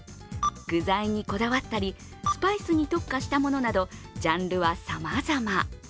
具材にこだわったり、スパイスに特化したものなどジャンルはさまざま。